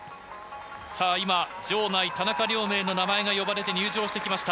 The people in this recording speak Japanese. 今、場内、田中亮明の名前が呼ばれて入場してきました。